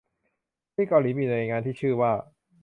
ที่เกาหลีมีหน่วยงานที่ชื่อว่า